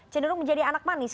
cenderung menjadi anak manis